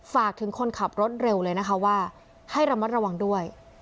ฝากถึงคนขับรถเร็วเลยนะคะว่าให้ระมัดระวังด้วย